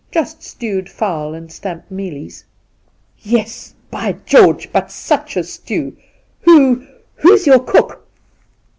Just stewed fowl and stamped mealies !'' Yes, by George ! but such a stew ! Who — who's your cook